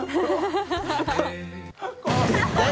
ハハハ